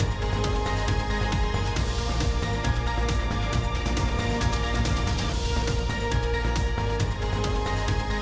สวัสดีค่ะ